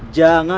jangan ikut camu